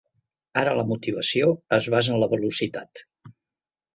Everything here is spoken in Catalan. Ara la motivació es basa en la velocitat.